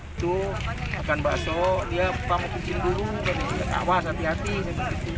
itu makan bakso dia pamuk kecil dulu kawas hati hati